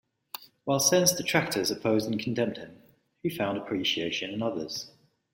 While Sen's detractors opposed and condemned him, he found appreciation in others.